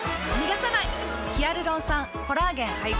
ヒアルロン酸・コラーゲン配合。